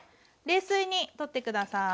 冷水にとって下さい。